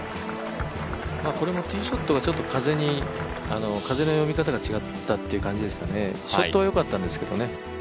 これもティーショットに、風の読み方が違ったという感じですかね、ショットはよかったんですけどね。